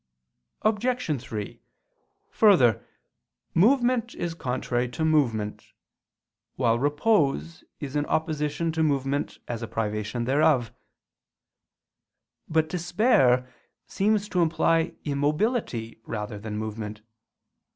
Obj. 3: Further, movement is contrary to movement: while repose is in opposition to movement as a privation thereof. But despair seems to imply immobility rather than movement.